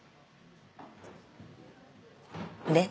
で？